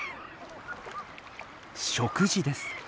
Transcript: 食事です。